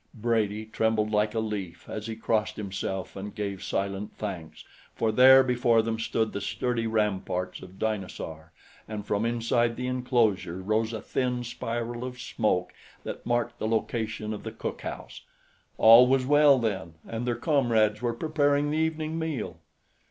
Brady trembled like a leaf as he crossed himself and gave silent thanks, for there before them stood the sturdy ramparts of Dinosaur and from inside the inclosure rose a thin spiral of smoke that marked the location of the cook house. All was well, then, and their comrades were preparing the evening meal!